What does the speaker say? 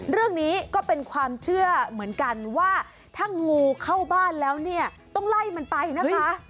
เรื่องนี้ก็เป็นความเชื่อเหมือนกันว่าถ้างูเข้าบ้านแล้วเนี่ยต้องไล่มันไปนะคะ